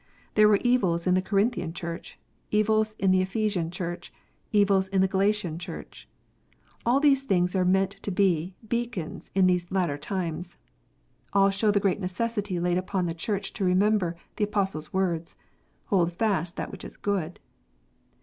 There were evils in the Corinthian Church, evils in the Ephesian Church, evils in the Galatian Church. All these things are meant to be beacons in these latter times. All show the great necessity laid upon the Church to remember the Apostle s words :" Hold fast that which is good."